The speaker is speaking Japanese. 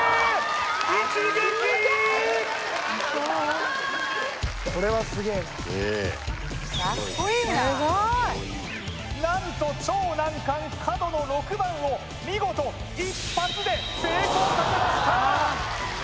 ねえ何と超難関角の６番を見事一発で成功させました